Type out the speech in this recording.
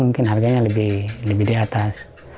mungkin harganya lebih di atas